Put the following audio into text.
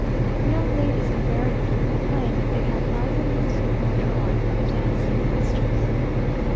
The young ladies invariably complain that they have neither music, nor drawing, nor dancing masters.